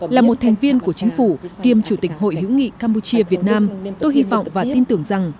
là một thành viên của chính phủ kiêm chủ tịch hội hữu nghị campuchia việt nam tôi hy vọng và tin tưởng rằng